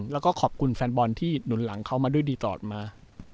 แล้วก็ขอบคุณแฟนบอลที่หนุนหลังเขามาด้วยดีตลอดมา